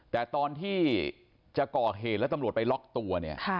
แต่ตอนที่จะก่อเหตุแล้วตำรวจไปล็อกตัวเนี่ย